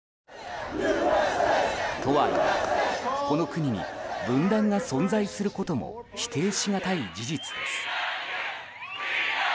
とはいえこの国に分断が存在することも否定しがたい事実です。